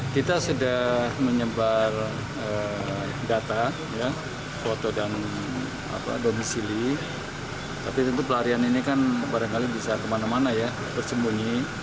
kita sudah menyebar data foto dan domisili tapi tentu pelarian ini kan barangkali bisa kemana mana ya bersembunyi